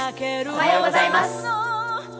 おはようございます。